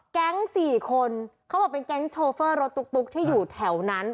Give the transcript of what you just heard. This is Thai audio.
สี่คนเขาบอกเป็นแก๊งโชเฟอร์รถตุ๊กที่อยู่แถวนั้น